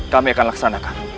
kami akan laksanakan